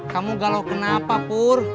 kamu galau kenapa pur